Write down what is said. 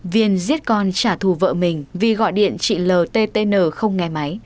viên giết con trả thù vợ mình vì gọi điện chị l t t n không nghe máy